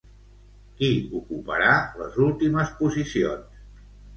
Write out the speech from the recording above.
Qui ocuparà les últimes posicions?